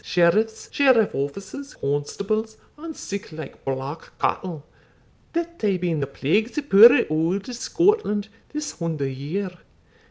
sheriffs, sheriff officers, constables, and sic like black cattle, that hae been the plagues o' puir auld Scotland this hunder year.